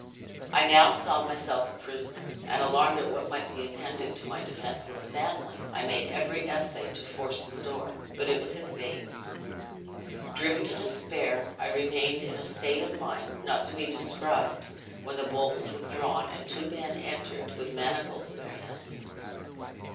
"I now saw myself a prisoner; and alarmed at what might be intended to my defenseless family, I made every essay to force the door, but it was in vain. Driven to despair, I remained in a state of mind not to be described, when the bolt was withdrawn, and two men entered, with manacles in their hands.